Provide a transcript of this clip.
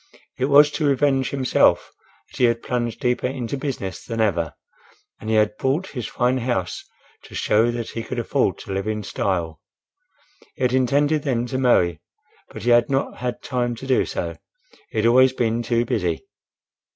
It was to revenge himself that he had plunged deeper into business than ever, and he had bought his fine house to show that he could afford to live in style. He had intended then to marry; but he had not had time to do so; he had always been too busy.